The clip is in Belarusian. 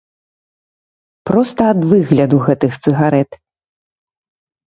Проста ад выгляду гэтых цыгарэт.